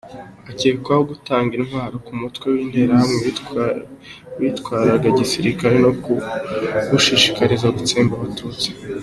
Akekwaho kandi gutanga intwaro ku mutwe w’Interahamwe witwaraga gisirikare no kuwushishikariza gutsemba Abatutsi.